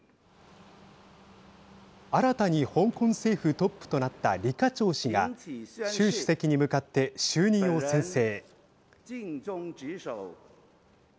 新たに香港政府トップとなった李家超氏が習主席に向かって就任を宣誓。